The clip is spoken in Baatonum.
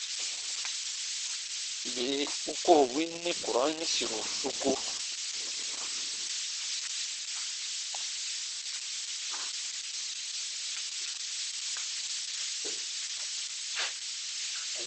Bii u koo win nikurɔn yĩsiru soku.